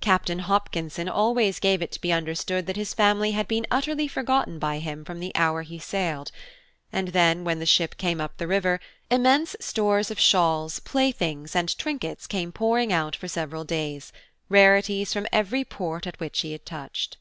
Captain Hopkinson always gave it to be understood that his family had been utterly forgotten by him from the hour he sailed; and then, when the ship came up the river, immense stores of shawls, playthings and trinkets came pouring out for several days–rarities from every port at which he had touched.